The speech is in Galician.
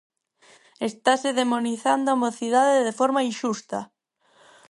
Estase demonizando a mocidade de forma inxusta.